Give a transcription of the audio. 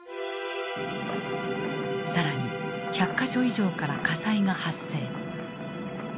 更に１００か所以上から火災が発生。